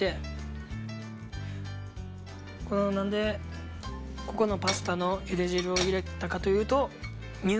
このなんでここのパスタの茹で汁を入れたかというと。